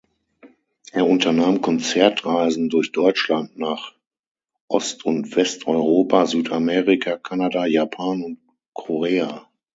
Er unternahm Konzertreisen durch Deutschland, nach Ost- und Westeuropa, Südamerika, Kanada, Japan und Korea.